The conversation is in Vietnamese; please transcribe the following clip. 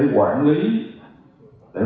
quản lý để